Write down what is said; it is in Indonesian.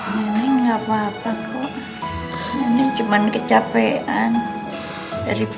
meskipun sampai saat yang hari ini